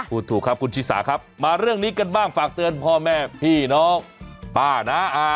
ถูกครับคุณชิสาครับมาเรื่องนี้กันบ้างฝากเตือนพ่อแม่พี่น้องป้านะ